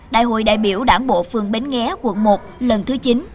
đại hội đại biểu đảng bộ phường bến nghé quận một lần thứ chín